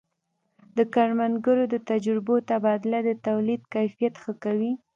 د کروندګرو د تجربو تبادله د تولید کیفیت ښه کوي.